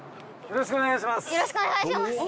よろしくお願いします！